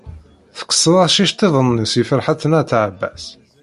Tekkseḍ-as iceḍḍiḍen-nnes i Ferḥat n At Ɛebbas.